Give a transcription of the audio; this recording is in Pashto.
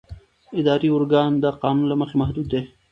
اداري ارګان د قانون له مخې محدود دی.